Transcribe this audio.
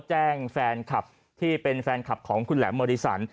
แจ้งแฟนคลับที่เป็นแฟนคลับของคุณแหลมมอริสัน